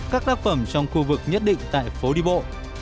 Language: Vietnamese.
các tác phẩm trong khu vực nhất định tại phố đi bộ